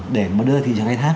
để mà đưa thị trường hay khác